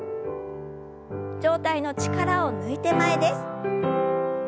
上体の力を抜いて前です。